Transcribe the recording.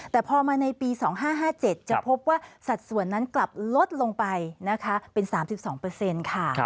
แต่พอมาในปี๒๕๕๗จะพบว่าสัดส่วนนั้นกลับลดลงไปนะคะเป็น๓๒ค่ะ